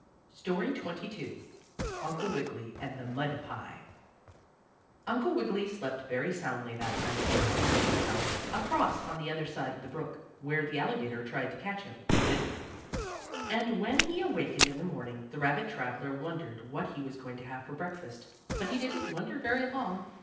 ] STORY XXII UNCLE WIGGILY AND THE MUD PIE Uncle Wiggily slept very soundly that night in the little wooden house, across on the other side of the brook, where the alligator tried to catch him, but didn't. And when he awakened in the morning the rabbit traveler wondered what he was going to have for breakfast. But he didn't wonder very long.